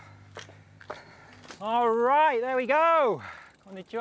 こんにちは。